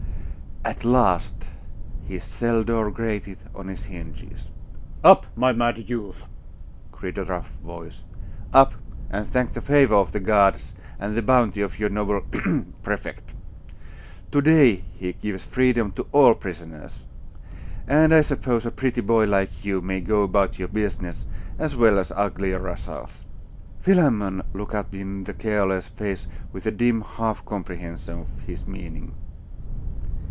At last his cell door grated on its hinges. 'Up, my mad youth!' cried a rough voice. 'Up, and thank the favour of the gods, and the bounty of our noble ahem! Prefect. To day he gives freedom to all prisoners. And I suppose a pretty boy like you may go about your business, as well as uglier rascals!' Philammon looked up in the gaoler's face with a dim half comprehension of his meaning.